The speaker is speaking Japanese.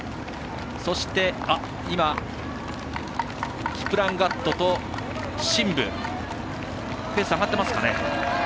そして、今キプランガットとシンブペース、上がってますかね。